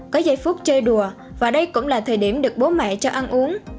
có giây phút chơi đùa và đây cũng là thời điểm được bố mẹ cho ăn uống